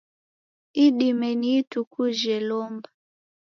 Idime ni ituku jhe lomba.